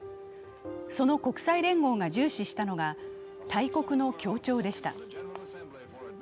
その国際連合が重視したのが大国の協調でした。